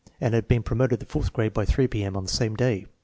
and had been pro moted to the fourth grade by 3 P.M. of the same day!